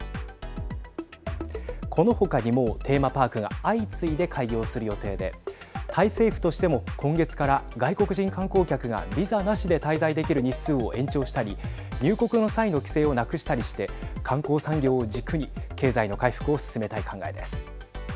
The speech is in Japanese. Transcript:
この他にもテーマパークが相次いで開業する予定でタイ政府としても、今月から外国人観光客がビザなしで滞在できる日数を延長したり入国の際の規制をなくしたりして観光産業を軸に経済の回復を進めたい考えです。